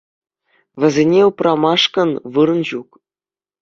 Вӗсене упрамашкӑн вырӑн ҫук.